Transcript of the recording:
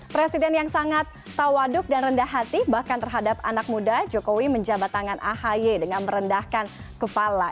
presiden yang sangat tawaduk dan rendah hati bahkan terhadap anak muda jokowi menjabat tangan ahy dengan merendahkan kepala